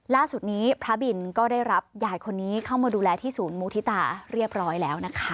ล่าสุดนี้พระบินก็ได้รับยายคนนี้เข้ามาดูแลที่ศูนย์มูธิตาเรียบร้อยแล้วนะคะ